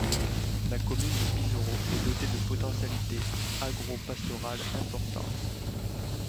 La commune de Bisoro est dotée de potentialités agropastorales importantes.